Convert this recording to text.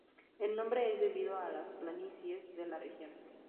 El nombre es debido a las planicies de la región.